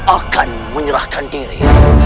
akan menyerahkan diri